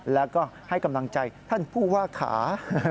แล้วก็ให้กำลังใจท่านผู้ว่าขา